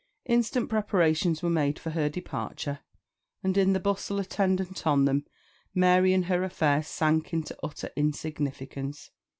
Instant preparations were made for her departure, and in the bustle attendant on them, Mary and her affairs sank into utter insignificance.